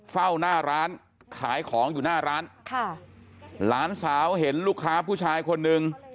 เฝ้าหน้าร้านขายของอยู่หน้าร้านค่ะหลานสาวเห็นลูกค้าผู้ชายคนหนึ่ง